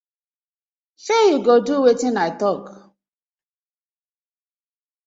Shey yu go do wetin I tok.